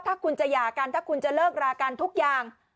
ถ้าคุณจะหย่ากันถ้าคุณจะเลิกรากันทุกอย่าง